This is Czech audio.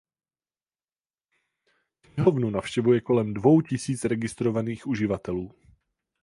Knihovnu navštěvuje kolem dvou tisíc registrovaných uživatelů.